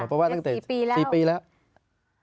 เพราะว่าตั้งแต่๔ปีแล้ว